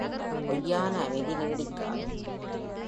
பொய்யான அமைதி நீடிக்காது.